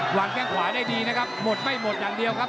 แข้งขวาได้ดีนะครับหมดไม่หมดอย่างเดียวครับ